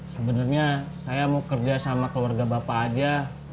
sebenarnya saya mau kerja sama keluarga bapak aja